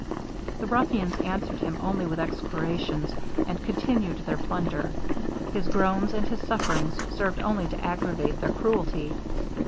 The ruffians answered him only with execrations, and continued their plunder. His groans and his sufferings served only to aggravate their cruelty.